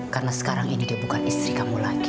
karena sekarang ini dia bukan istri kamu lagi